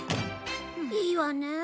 いいわね。